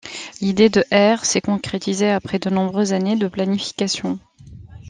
L'idée de Air s'est concrétisée après de nombreuses années de planification.